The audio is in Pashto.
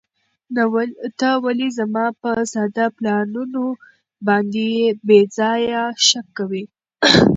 ته ولې زما په ساده پلانونو باندې بې ځایه شک کوې؟